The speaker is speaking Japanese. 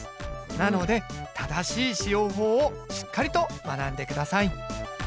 なので正しい使用法をしっかりと学んでください。